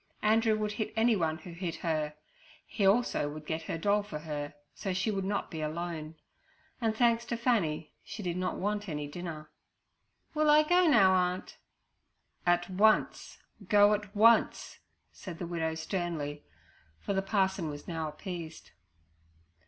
Andrew would hit anyone who hit her; he also would get her doll for her, so she would not be alone; and thanks to Fanny, she did not want any dinner. 'Will I go now, aunt?' 'At once—go at once' said the widow sternly, for the parson was now appeased.